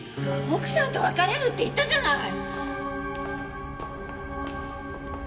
奥さんと別れるって言ったじゃない！